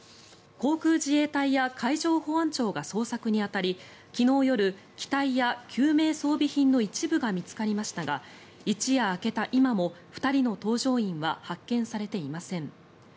航空自衛隊や海上保安庁が捜索に当たり昨日夜、機体や救命装備品の一部が見つかりましたが一夜明けた今も、２人の搭乗員は発見されていません。